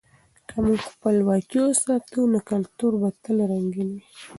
که موږ خپلواکي وساتو، نو کلتور به تل رنګین وي.